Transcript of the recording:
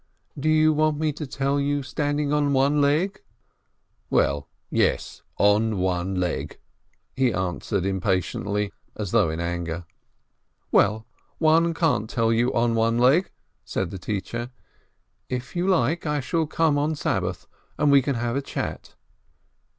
"Do you want me to tell you standing on one leg ?" "Well, yes, 'on one leg,' " he answered impatiently, as though in anger. "But one can't tell you 'on one leg,' " said the teacher. "If you like, I shall come on Sabbath, and we can have a chat."